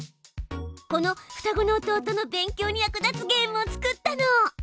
このふたごの弟の勉強に役立つゲームを作ったの。